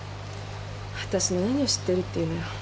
わたしの何を知ってるっていうのよ。